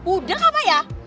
udah kapa ya